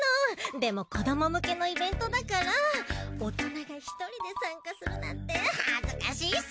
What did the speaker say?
でも子ども向けのイベントだから大人が１人で参加するなんて恥ずかしいし。